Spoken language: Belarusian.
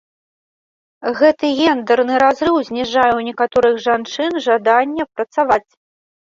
Гэты гендэрны разрыў зніжае ў некаторых жанчын жаданне працаваць.